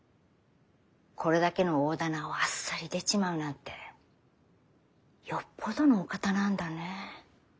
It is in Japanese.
これだけの大店をあっさり出ちまうなんてよっぽどのお方なんだね。